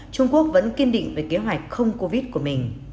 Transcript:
trung quốc vẫn kiên định về kế hoạch không covid của mình